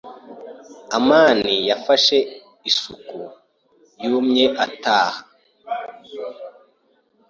amani yafashe isuku yumye ataha.